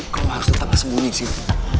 kau harus tetap sembunyi disini